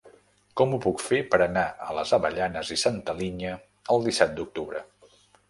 Com ho puc fer per anar a les Avellanes i Santa Linya el disset d'octubre?